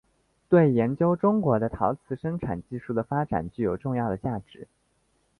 对研究中国的陶瓷生产技术的发展具有重要的价值。